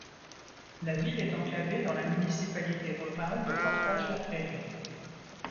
La ville est enclavée dans la municipalité rurale de Portage la Prairie.